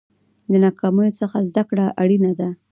د ناکامیو څخه زده کړه اړینه ده.